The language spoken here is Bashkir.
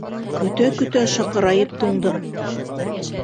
Көтә-көтә шаҡырайып туңдым.